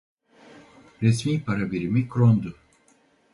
Resmî para birimi Kron'du.